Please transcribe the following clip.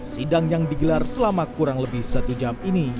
sidang yang digelar selama kurang lebih satu jam ini